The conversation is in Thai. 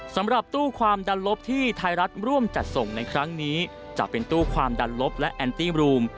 สำหรับตู้ความดันลบที่ไทยรัฐร่วมจัดส่งในครั้งนี้จะเป็นตู้ความดันลบและแอนตี้มรูม